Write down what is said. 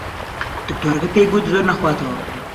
دکتۆرەکە پێی گوت زۆر نەخواتەوە.